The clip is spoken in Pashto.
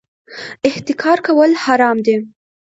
احتکار کول حرام دي